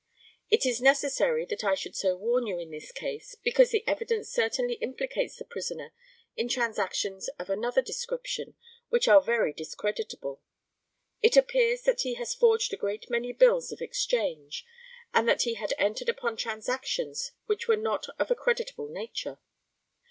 It is necessary that I should so warn you in this case, because the evidence certainly implicates the prisoner in transactions of another description which are very discreditable. It appears that he has forged a great many bills of exchange, and that he had entered upon transactions which were not of a creditable nature.